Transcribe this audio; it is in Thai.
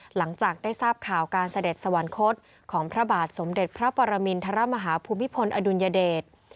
หลังจากได้ทราบข่าวการเสด็จสวรรคตของพระบาทสมเด็จพระปรมินทรมาฮาภูมิพลอดุลยเดช